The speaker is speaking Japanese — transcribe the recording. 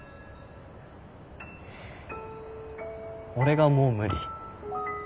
俺がもう無理。